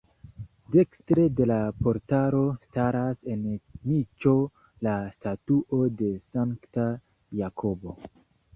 Dekstre de la portalo staras en niĉo la statuo de Sankta Jakobo.